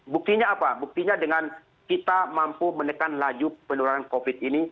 buktinya apa buktinya dengan kita mampu menekan laju penularan covid ini